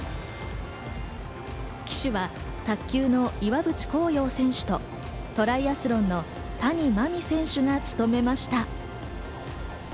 旗手は卓球の岩渕幸洋選手とトライアスロンの谷真海選手が務めました。